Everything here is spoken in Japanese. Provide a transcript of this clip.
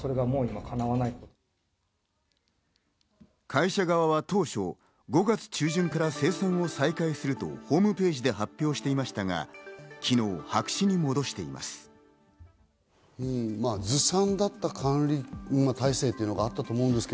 会社側は当初５月中旬から生産を再開するとホームページで発表していましたが、昨日、白紙に戻しています。